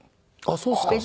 あっそうですか。